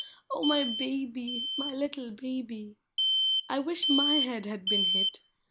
Oh, my baby! my little baby! I wish my head had been hit